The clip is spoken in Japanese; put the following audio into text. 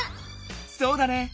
そうだね！